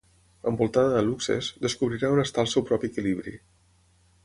Envoltada de luxes, descobrirà on està el seu propi equilibri.